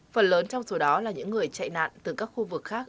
phần lớn trong số đó là những người chạy nạn từ các khu vực khác